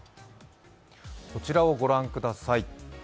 こちらをご覧ください。